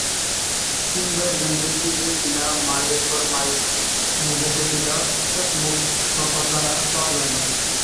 কিংবা একজন ব্যক্তি যে কিনা মাইলের পর মাইল হেটেছিল একমুথ শস্য দানা পাওয়ার জন্য।